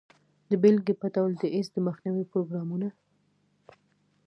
د بیلګې په ډول د ایډز د مخنیوي پروګرامونه.